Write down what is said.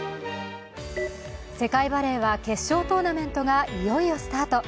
世界バレーは決勝トーナメントがいよいよスタート。